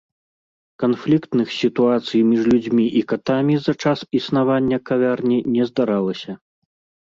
Канфліктных сітуацый між людзьмі і катамі за час існавання кавярні не здаралася.